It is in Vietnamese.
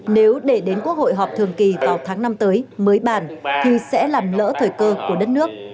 nếu để đến quốc hội họp thường kỳ vào tháng năm tới mới bàn thì sẽ làm lỡ thời cơ của đất nước